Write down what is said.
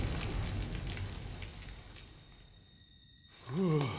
ふう。